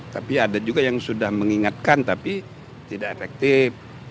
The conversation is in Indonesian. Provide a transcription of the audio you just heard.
tapi ada juga yang sudah mengingatkan tapi tidak efektif